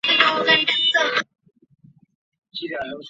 在场上的位置是中前卫或左边锋。